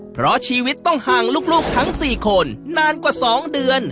เพราะชีวิตต้องห่างลูกทั้ง๔คนนานกว่า๒เดือน